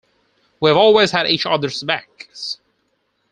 We've always had each other's backs.